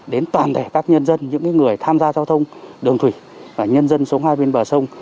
đến toàn thể các nhân dân những người tham gia giao thông đường thủy và nhân dân sống hai bên bờ sông